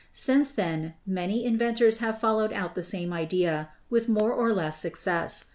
Since then many inventors have followed out the same idea, with more or less suc cess.